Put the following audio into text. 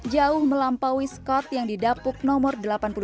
jauh melampaui scott yang didapuk nomor delapan puluh dua